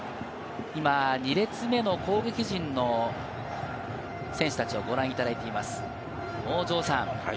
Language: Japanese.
今、２列目の攻撃陣の選手たちをご覧いただいています。